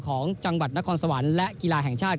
ของจังหวัดนครสวรรค์และกีฬาแห่งชาติ